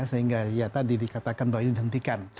sehingga ya tadi dikatakan bahwa ini dihentikan